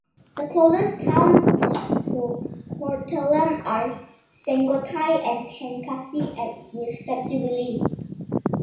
The closest towns to Courtallam are Sengottai and Tenkasi at respectively.